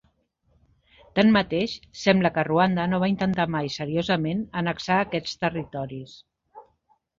Tanmateix, sembla que Ruanda no va intentar mai seriosament annexar aquests territoris.